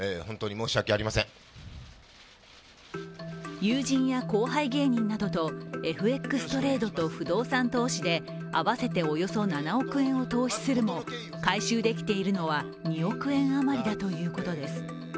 友人や後輩芸人などとＦＸトレードと不動産投資で合わせておよそ７億円を投資するも回収できているのは２億円余りだということです。